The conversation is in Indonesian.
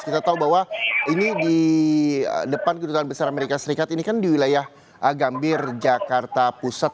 kita tahu bahwa ini di depan kedutaan besar amerika serikat ini kan di wilayah gambir jakarta pusat